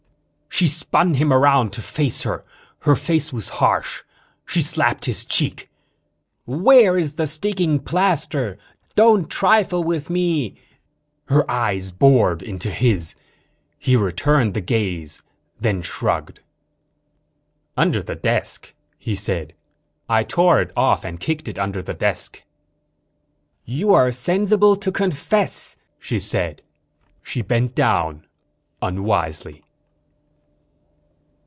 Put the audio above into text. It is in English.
She spun him around to face her. Her face was harsh. She slapped his cheek. "Where is the sticking plaster? Don't trifle with me." Her eyes bored into his. He returned the gaze, then shrugged. "Under the desk," he said. "I tore it off and kicked it under the desk." "You are sensible to confess," she said. She bent down, unwisely.